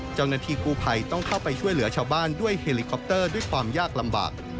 เจ้าหน้าที่กู้ภัยต้องเข้าไปช่วยเหลือชาวบ้านด้วยเฮลิคอปเตอร์ด้วยความยากลำบาก